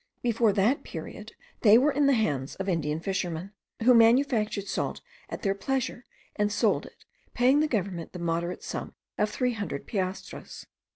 Before that period they were in the hands of Indian fishermen, who manufactured salt at their pleasure, and sold it, paying the government the moderate sum of three hundred piastres.